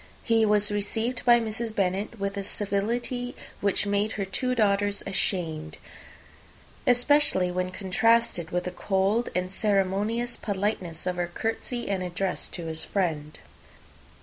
He was received by Mrs. Bennet with a degree of civility which made her two daughters ashamed, especially when contrasted with the cold and ceremonious politeness of her courtesy and address of his friend.